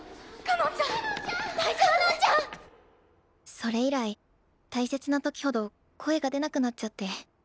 それ以来大切な時ほど声が出なくなっちゃって。